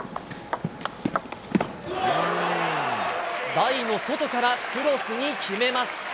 台の外からクロスに決めます。